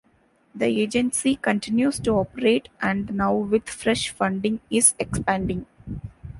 The agency continues to operate, and now with fresh funding, is expanding.